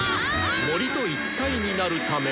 森と一体になるため。